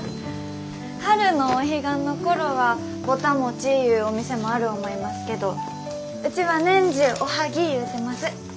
春のお彼岸の頃はぼた餅言うお店もある思いますけどうちは年中おはぎ言うてます。